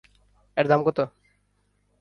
এর দাম কত?